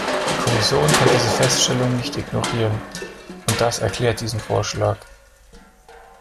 Die Kommission kann diese Feststellungen nicht ignorieren, und das erklärt diesen Vorschlag.